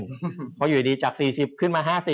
เพราะอยู่ดีจาก๔๐ขึ้นมา๕๐